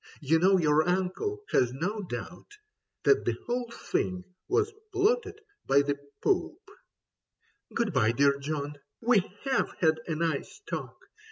You know your uncle has no doubt That the whole thing was plotted by the Pope ..."''... Good bye, dear John. We have had a nice talk.